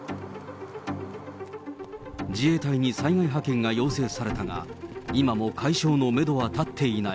自衛隊に災害派遣が要請されたが、今も解消のメドは立っていない。